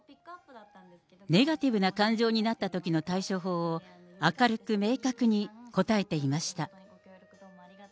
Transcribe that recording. ネガティブな感情になったときの対処法を、明るく明確に答えていました。